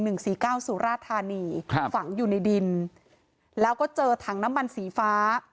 สี่เก้าสุราธานีครับฝังอยู่ในดินแล้วก็เจอถังน้ำมันสีฟ้า